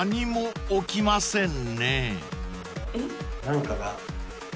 何かが。